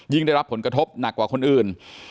ได้รับผลกระทบหนักกว่าคนอื่น